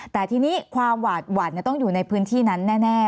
แต่ทีนี้ความหวาดหวั่นต้องอยู่ในพื้นที่นั้นแน่